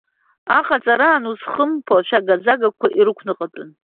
Аҟаҵараан узхымԥо ашәага-загақәа ирықәныҟәатәын.